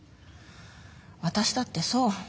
私だってそう。